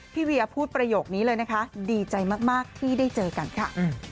เวียพูดประโยคนี้เลยนะคะดีใจมากที่ได้เจอกันค่ะ